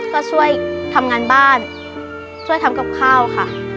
ก็ช่วยทำงานบ้านช่วยทำกับข้าวค่ะ